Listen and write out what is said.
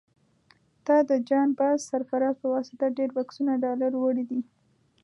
تا د جان باز سرفراز په واسطه ډېر بکسونه ډالر وړي دي.